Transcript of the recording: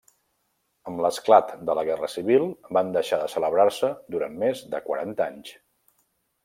Amb l'esclat de la Guerra Civil van deixar de celebrar-se durant més de quaranta anys.